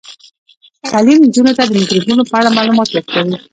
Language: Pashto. تعلیم نجونو ته د میکروبونو په اړه معلومات ورکوي.